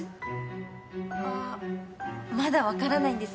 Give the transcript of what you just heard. あまだ分からないんです。